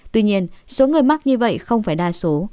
tuy nhiên số người mắc như vậy không phải đa số